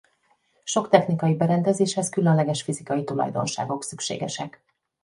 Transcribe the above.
Sok technikai berendezéshez különleges fizikai tulajdonságok szükségesek.